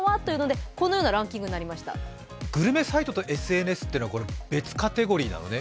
グルメサイトとＳＮＳは別カテゴリーなのね。